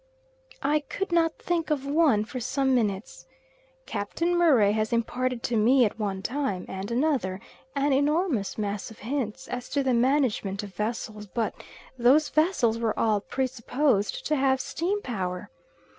I could not think of one for some minutes. Captain Murray has imparted to me at one time and another an enormous mass of hints as to the management of vessels, but those vessels were all pre supposed to have steam power.